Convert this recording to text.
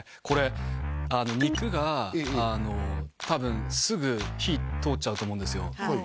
これ肉があの多分すぐ火通っちゃうと思うんですよ